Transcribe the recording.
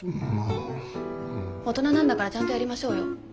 大人なんだからちゃんとやりましょうよ。